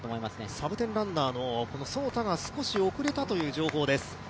サブテンランナーの其田が少し遅れたという情報です。